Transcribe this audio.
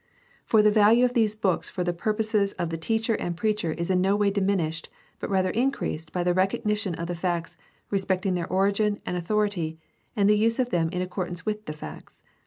For the value of these books for the purposes of the teacher and preacher is in no way diminished, but rather increased by the recognition of the facts respecting their origin and author ity, and a use of them in accordance with the facts.